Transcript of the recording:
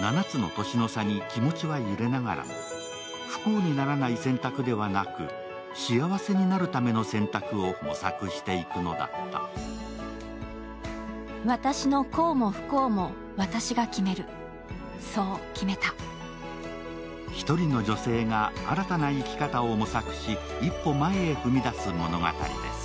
７つの年の差に気持ちは揺れながらも不幸にならない選択ではなく幸せになるための選択を模索していくのだった１人の女性が新たな生き方を模索し、一歩前へ踏み出す物語です。